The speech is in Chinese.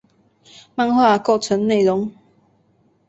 漫画构成内容。